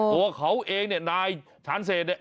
ตัวเขาเองเนี่ยนายชาญเศษเนี่ย